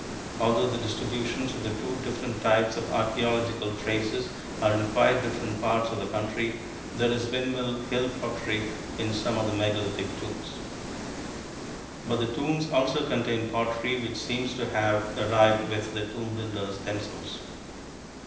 Although the distributions of the two different types of archeological traces are in quite different parts of the country, there is Windmill Hill pottery in some of the megalithic tombs. But the tombs also contain pottery which seems to have arrived with the tomb builders themselves.